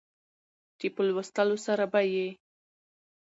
چې په لوستلو سره به يې